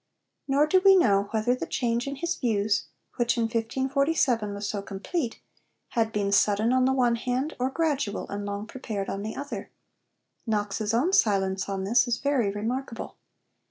Nor do we know whether the change in his views, which in 1547 was so complete, had been sudden on the one hand or gradual and long prepared on the other. Knox's own silence on this is very remarkable.